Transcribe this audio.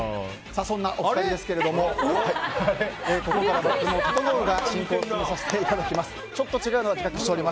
そんなお二人ですがここからは久能整が進行を務めさせていただきます。